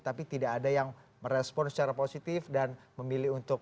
tapi tidak ada yang merespon secara positif dan memilih untuk